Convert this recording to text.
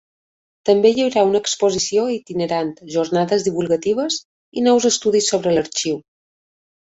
També hi haurà una exposició itinerant, jornades divulgatives i nous estudis sobre l’arxiu.